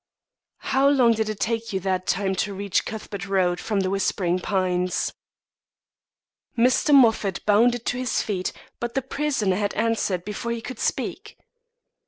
"How long did it take you that time to reach Cuthbert Road from The Whispering Pines?" Mr. Moffat bounded to his feet, but the prisoner had answered before he could speak.